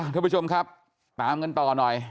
ทุกผู้ชมครับตามกันต่อหน่อย